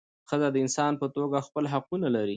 ښځه د انسان په توګه خپل حقونه لري .